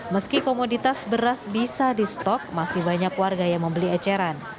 meski komoditas beras bisa di stok masih banyak warga yang membeli eceran